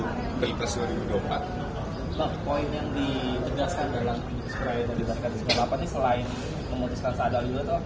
nah poin yang diedaskan dalam putus kerajaan barikada sembilan puluh delapan ini selain memutuskan seadal itu